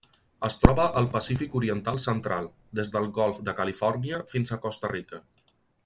Es troba al Pacífic oriental central: des del golf de Califòrnia fins a Costa Rica.